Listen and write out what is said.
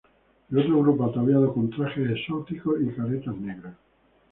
El otro grupo ataviado con trajes exóticos y caretas negras.